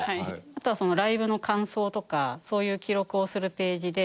あとはライブの感想とかそういう記録をするページで。